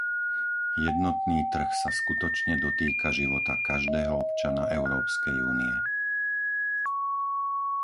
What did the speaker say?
Jednotný trh sa skutočne dotýka života každého občana Európskej únie.